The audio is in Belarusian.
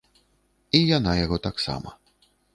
І яна яго таксама.